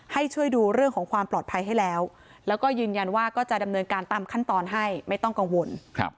ให้ช่วยดูเรื่องของความปลอดภัยให้แล้วแล้วก็ยืนยันว่าก็จะดำเนินการตามขั้นตอนให้ไม่ต้องกังวล